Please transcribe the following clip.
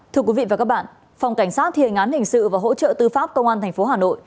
thưa quý vị và các bạn phòng cảnh sát thiền án hình sự và hỗ trợ tư pháp công an tp hà nội